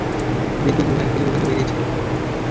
বিদ্যুত বিভাগের লোকেরা বেরিয়েছে!